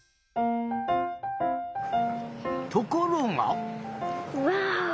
ところが。